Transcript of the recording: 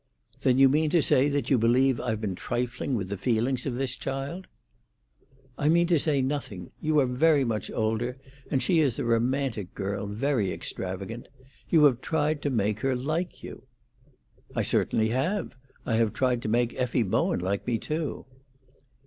"Then you mean to say that you believe I've been trifling with the feelings of this child?" "I mean to say nothing. You are very much older; and she is a romantic girl, very extravagant. You have tried to make her like you." "I certainly have. I have tried to make Effie Bowen like me too."